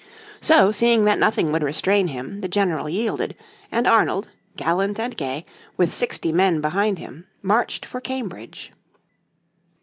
So, seeing that nothing would restrain him, the general yielded, and Arnold, gallant and gay, with sixty men behind him marched for Cambridge.